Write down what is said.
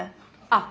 あっ。